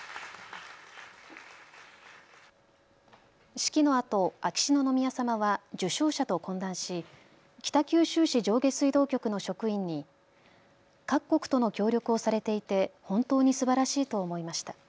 式のあと秋篠宮さまは受賞者と懇談し北九州市上下水道局の職員に各国との協力をされていて本当にすばらしいと思いました。